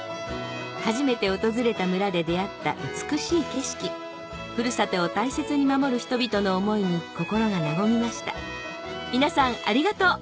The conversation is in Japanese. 初めて訪れた村で出合った美しい景色古里を大切に守る人々の思いに心が和みました皆さんありがとう